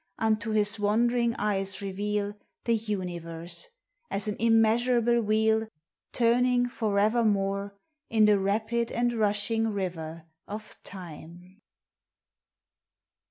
Unto bis wandering eyes reveal The Universe, as an immeasurable wheel Turning forevermore In the rapid and rushing river of Time.